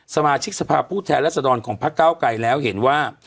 สมาชิกสภาพผู้แทนรัศดรของพระเก้าไกรแล้วเห็นว่า